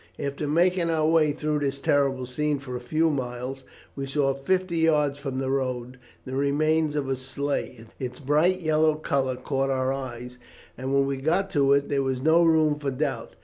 After making our way through this terrible scene for a few miles, we saw, fifty yards from the road, the remains of a sleigh. Its bright yellow colour caught our eyes, and when we got to it there was no room for doubt.